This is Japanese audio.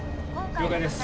了解です。